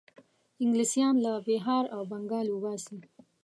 انګلیسیان له بیهار او بنګال وباسي.